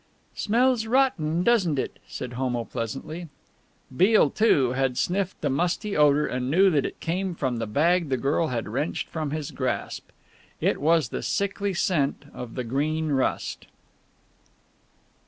"Smells rotten, doesn't it?" said Homo pleasantly. Beale, too, had sniffed the musty odour, and knew that it came from the bag the girl had wrenched from his grasp. It was the sickly scent of the Green Rust!